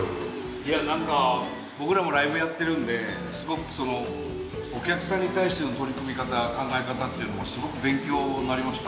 いや何か僕らもライブやってるんですごくお客さんに対しての取り組み方考え方っていうのもすごく勉強になりました